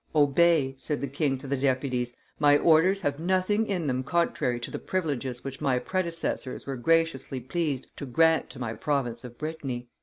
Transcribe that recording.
"Obey," said the king to the deputies; "my orders have nothing in them contrary to the privileges which my predecessors were graciously pleased to grant to my province of Brittany."